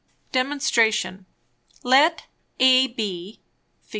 Demonstration. Let AB (_Fig.